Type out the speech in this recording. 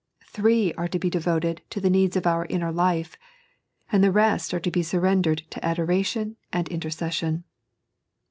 Three are to be devoted to the needs of our inner life, and the rest are to be surrendered to adoration and intercession.